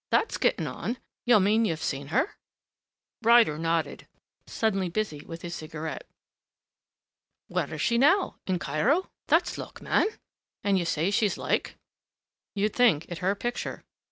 "That's getting on.... You mean you've seen her?" Ryder nodded, suddenly busy with his cigarette. "Where is she, now? In Cairo? That's luck, man!... And you say she's like?" "You'd think it her picture."